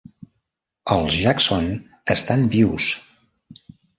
Els Jackson estan vius!